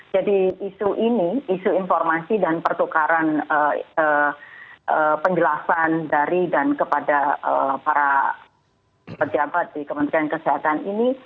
jadi isu ini isu informasi dan pertukaran penjelasan dari dan kepada para pejabat di kementerian kesehatan ini